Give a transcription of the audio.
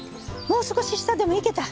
もう少し下でもいけた。